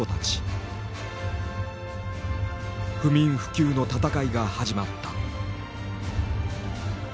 不眠不休のたたかいが始まった。